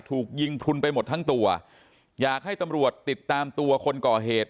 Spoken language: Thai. ถูกยิงพลุนไปหมดทั้งตัวอยากให้ตำรวจติดตามตัวคนก่อเหตุ